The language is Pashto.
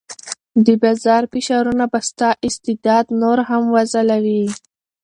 د بازار فشارونه به ستا استعداد نور هم وځلوي.